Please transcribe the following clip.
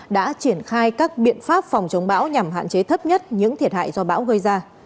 đã triển khai các biện pháp phòng chống bão nhằm hạn chế thấp nhất những thiệt hại do bão gây ra